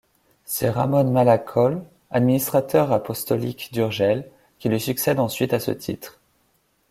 C'est Ramón Malla Call, administrateur apostolique d'Urgell, qui lui succède ensuite à ce titre.